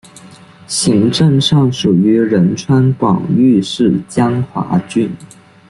行政上属于仁川广域市江华郡。